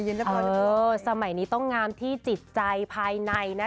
ใช่สมัยต้องงามที่จิตใจภายใน